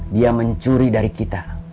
dia mencuri dari kita